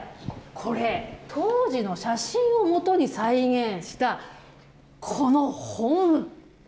これ、当時の写真をもとに再現したこの本。